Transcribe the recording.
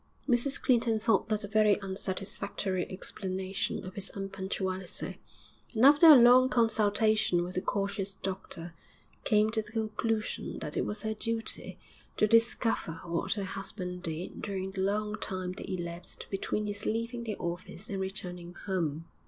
Mrs Clinton thought that a very unsatisfactory explanation of his unpunctuality, and after a long consultation with the cautious doctor came to the conclusion that it was her duty to discover what her husband did during the long time that elasped between his leaving the office and returning home.